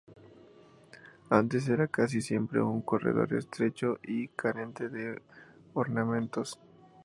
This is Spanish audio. Antes era casi siempre un corredor estrecho y carente de ornamentos.